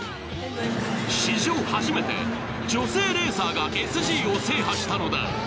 史上初めて、女性レーサーがＳＧを制覇したのだ。